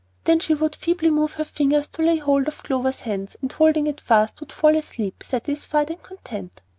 Then she would feebly move her fingers to lay hold of Clover's hand, and holding it fast, would fall asleep satisfied and content.